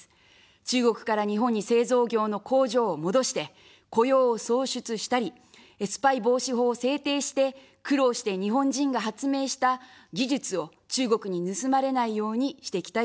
中国から日本に製造業の工場を戻して雇用を創出したり、スパイ防止法を制定して、苦労して日本人が発明した技術を中国に盗まれないようにしていきたいと思います。